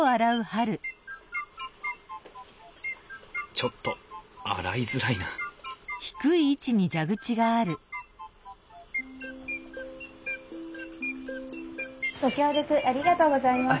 ちょっと洗いづらいなご協力ありがとうございます。